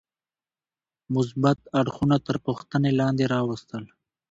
مثبت اړخونه تر پوښتنې لاندې راوستل.